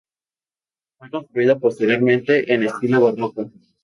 Fue reconstruida posteriormente en estilo barroco.